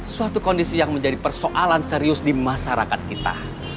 suatu kondisi yang menjadi persoalan serius di masyarakat kita